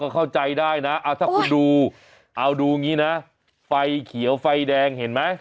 เข้าใจได้นะเอาถ้าคุณดูเอาดูอย่างนี้นะไฟเขียวไฟแดงเห็นไหม